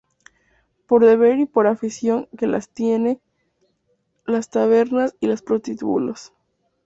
Por deber y por afición, que las tiene: las tabernas y los prostíbulos.